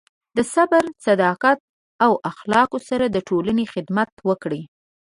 د صبر، صداقت، او اخلاقو سره د ټولنې خدمت وکړئ.